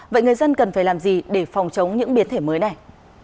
vậy người dân cần phải làm gì để phòng chống những biến thể mới này